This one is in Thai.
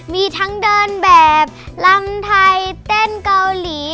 มีทั้งเดินแบบลำไทยเต้นเกาหลี